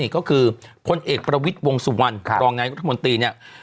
ก็คือคนเอกประวิทย์วงสุวรรณรองนายุครัฐมนตรี